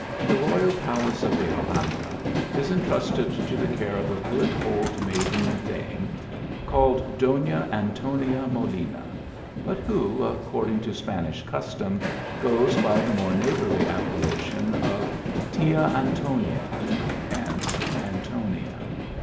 The royal palace of the Alhambra is intrusted to the care of a gcod old maiden dame called Doiia Antonia Molina, but who, according to Spanish custom, goes by the more neighbourly appellation of Tia Antonia (Aunt Antonia).